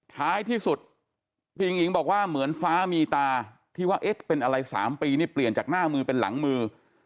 ท้ายที่สุดพี่อิงอิ๋งบอกว่าเหมือนฟ้ามีตาที่ว่าเอ๊ะเป็นอะไร๓ปีนี่เปลี่ยนจากหน้ามือเป็นหลังมือ